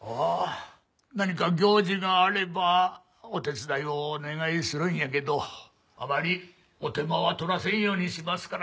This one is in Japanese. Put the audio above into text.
ああ何か行事があればお手伝いをお願いするんやけどあまりお手間は取らせんようにしますから。